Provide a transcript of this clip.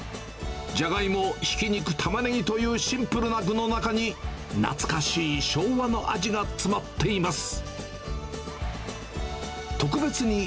じゃがいも、ひき肉、たまねぎというシンプルな具の中に、懐かしい昭和の味が詰まっています。